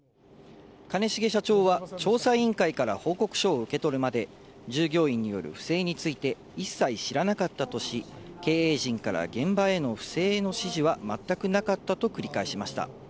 兼重社長は調査委員会から報告書を受け取るまで、従業員による不正について一切知らなかったとし、経営陣から現場への不正の指示は全くなかったと繰り返しました。